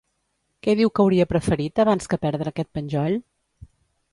Què diu que hauria preferit, abans que perdre aquest penjoll?